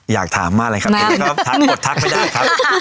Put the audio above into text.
อยากถามว่านะครับอ้อนสทัศน์มดทักไปได้นะครับ